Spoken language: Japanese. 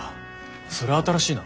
それは新しいな。